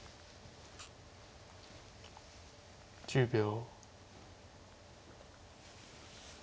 １０秒。